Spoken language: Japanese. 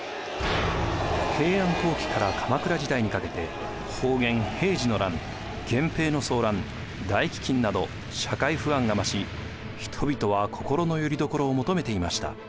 平安後期から鎌倉時代にかけて保元・平治の乱源平の争乱大飢饉など社会不安が増し人々は心のよりどころを求めていました。